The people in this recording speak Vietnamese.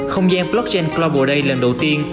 không gian blockchain global day lần đầu tiên